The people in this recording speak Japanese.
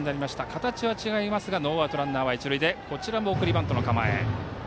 形は違いますがノーアウトランナー、一塁でこちらも送りバントの構え。